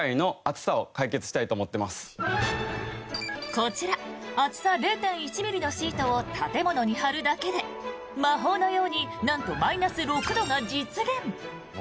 こちら厚さ０．１ｍｍのシートを建物に貼るだけで魔法のようになんと、マイナス６度が実現！